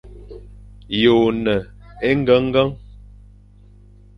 Ye one engengen?